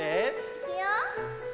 いくよ！